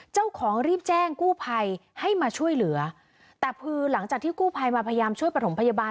เจ้าของรีบแจ้งกู้ภัยให้มาช่วยเหลือแต่คือหลังจากที่กู้ภัยมาพยายามช่วยประถมพยาบาล